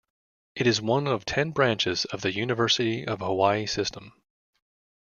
It is one of ten branches of the University of Hawaii system.